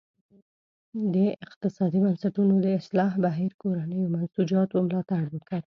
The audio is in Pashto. د اقتصادي بنسټونو د اصلاح بهیر کورنیو منسوجاتو ملاتړ وکړ.